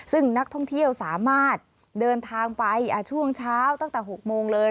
ซึ่งนักท่องเที่ยวสามารถเดินทางไปช่วงเช้าตั้งแต่๖โมงเลย